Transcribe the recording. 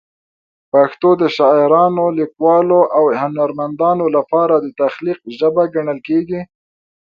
پښتو د شاعرانو، لیکوالو او هنرمندانو لپاره د تخلیق ژبه ګڼل کېږي.